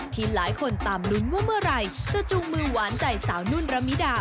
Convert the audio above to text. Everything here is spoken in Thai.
ที่หลายคนตามลุ้นว่าเมื่อไหร่จะจูงมือหวานใจสาวนุ่นระมิดา